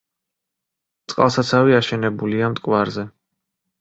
წყალსაცავი აშენებულია მტკვარზე.